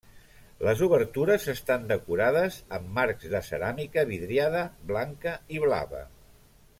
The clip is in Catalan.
Les obertures estan decorades amb marcs de ceràmica vidriada blanca i blava.